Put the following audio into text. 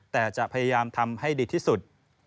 แต่จะพยายามทำให้ดีที่สุด